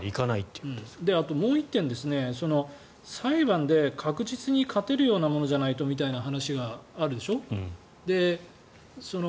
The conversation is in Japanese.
もう１点、裁判で確実に勝てるようなものじゃないとみたいな話があるでしょ。